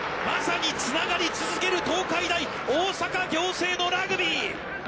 まさにつながり続ける東海大大阪仰星のラグビー！